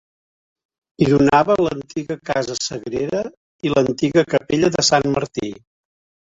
Hi donava l'antiga Casa Sagrera i l'antiga Capella de Sant Martí.